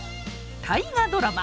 大河ドラマ